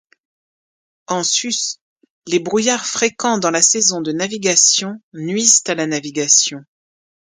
En sus, les brouillards fréquents dans la saison de navigation nuisent à la navigation.